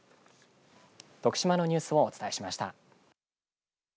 徳島のニュースをお伝えしました。